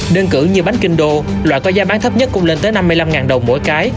đơn cử như bánh kinh đô loại có giá bán thấp nhất cũng lên tới năm mươi năm đồng mỗi cái